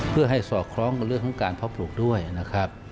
เพื่อให้สอดคล้องกับเรื่องของการเพาะปลูกด้วยนะครับ